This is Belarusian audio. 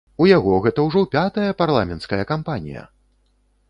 У яго гэта ўжо пятая парламенцкая кампанія!